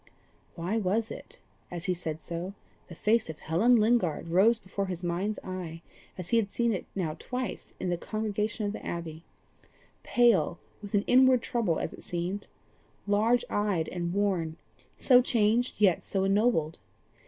Why was it that, as he said so, the face of Helen Lingard rose before his mind's eye as he had now seen it twice in the congregation at the Abbey pale with an inward trouble as it seemed, large eyed and worn so changed, yet so ennobled?